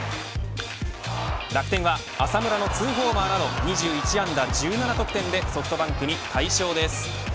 楽天は浅村の２ホーマーなど２１安打１７得点でソフトバンクに大勝です。